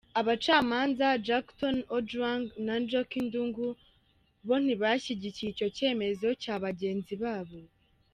Abacamanza Jackton Ojwang na Njoki Ndung’u, bo ntibashyigikiye icyo cyemezo cya bagenzi babo.